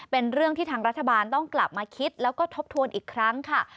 เป็นเรื่องที่ทางรัฐบาลต้องกลับมาคิดแล้วก็ทบทวนอีกครั้งค่ะ